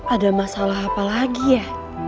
ada masalah apa lagi ya